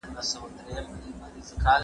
هر انسان مذهبي خپلواکي غواړي.